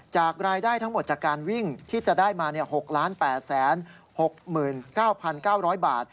จากรายได้ทั้งหมดจากการวิ่งที่จะได้มา๖๘๖๙๙๐๐บาท